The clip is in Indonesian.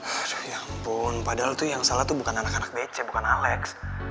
ya ampun padahal tuh yang salah tuh bukan anak anak bece bukan alex